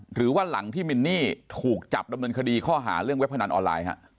หรือว่าหลังที่มินนี่ถูกจับดำเนินคดีข้อหาเรื่องเว็บพนันออนไลน์